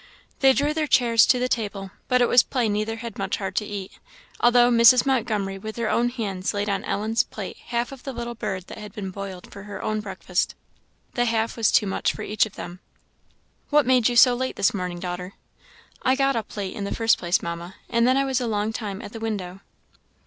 They drew their chairs to the table, but it was plain neither had much heart to eat; although Mrs. Montgomery with her own hands laid on Ellen's plate half of the little bird that had been boiled for her own breakfast. The half was too much for each of them. "What made you so late this morning, daughter?" "I got up late, in the first place, Mamma; and then I was a long time at the window."